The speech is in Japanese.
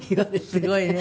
すごいね。